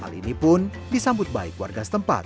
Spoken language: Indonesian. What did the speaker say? hal ini pun disambut baik warga setempat